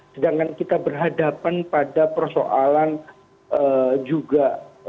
sedangkan kita berhadapan pada persoalan juga